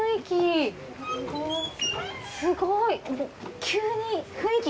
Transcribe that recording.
すごい！